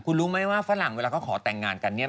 คุณรู้ไหมว่าฝรั่งเวลาเขาขอแต่งงานกันเนี่ย